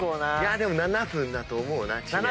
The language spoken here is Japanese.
でも７分⁉だと思うな。